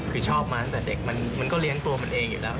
คือชอบมาตั้งแต่เด็กมันก็เลี้ยงตัวมันเองอยู่แล้ว